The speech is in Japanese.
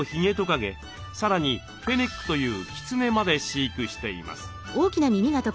さらにフェネックというキツネまで飼育しています。